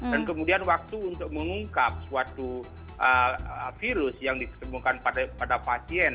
dan kemudian waktu untuk mengungkap suatu virus yang ditemukan pada pasien